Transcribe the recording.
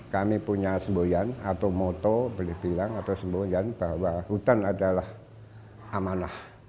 kami punya semboyan atau moto boleh bilang atau semboyan bahwa hutan adalah amanah